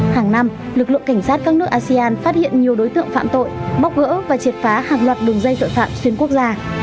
hàng năm lực lượng cảnh sát các nước asean phát hiện nhiều đối tượng phạm tội bóc gỡ và triệt phá hàng loạt đường dây tội phạm xuyên quốc gia